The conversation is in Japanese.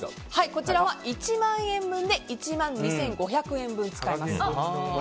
こちらは１万円分で１万２５００円分使えます。